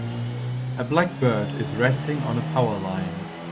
A black bird is resting on a power line.